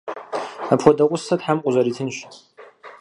Апхуэдэ гъусэ Тхьэм къузэритынщ.